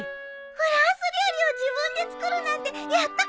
フランス料理を自分で作るなんてやったことないもん。